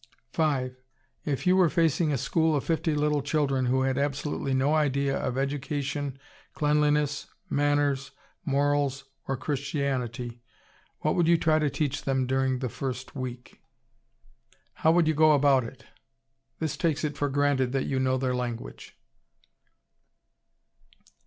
5. If you were facing a school of fifty little children who had absolutely no idea of education, cleanliness, manners, morals, or Christianity, what would you try to teach them during the first week? How would you go about it? (This takes it for granted that you know their language.)